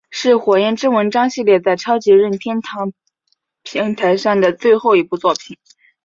是火焰之纹章系列在超级任天堂平台上的最后一部作品。